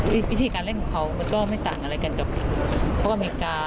และวิธีการเล่นของเขาก็ไม่ต่างอะไรกับพวกอเมริกา